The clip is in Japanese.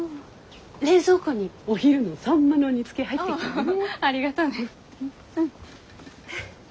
冷蔵庫にお昼のサンマの煮つけ入ってるからね。ありがとね。